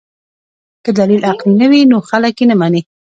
که دلیل عقلي نه وي نو خلک یې نه مني.